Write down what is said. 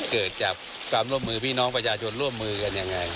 เกิดจากความร่วมมือพี่น้องประชาชนร่วมมือกันยังไง